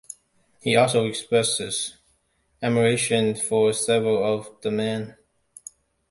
He also expresses admiration for several of the men.